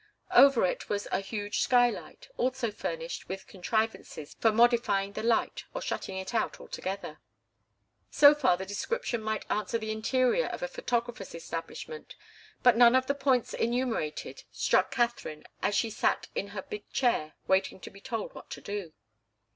Over it was a huge skylight, also furnished with contrivances for modifying the light or shutting it out altogether. So far, the description might answer for the interior of a photographer's establishment, but none of the points enumerated struck Katharine as she sat in her big chair waiting to be told what to do.